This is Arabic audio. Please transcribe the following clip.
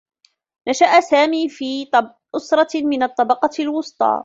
نشأ سامي في أسرة من الطّبقة الوسطى.